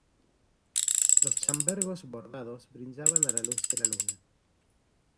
los chambergos bordados brillaban a la luz de la luna.